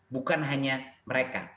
bukan hanya mereka